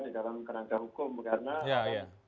di dalam kerangka hukum karena